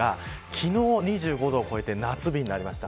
昨日２５度を超えて夏日になりました。